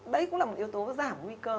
đấy cũng là một yếu tố giảm nguy cơ